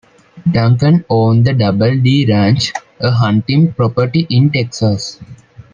Duncan owned the Double D Ranch, a hunting property in Texas.